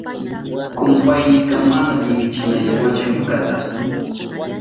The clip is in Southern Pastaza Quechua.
Kumpaynika mana liwichinayawanchu ñukata.